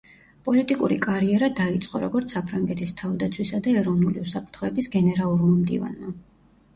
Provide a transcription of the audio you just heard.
პოლიტიკური კარიერა დაიწყო, როგორც საფრანგეთის თავდაცვისა და ეროვნული უსაფრთხოების გენერალურმა მდივანმა.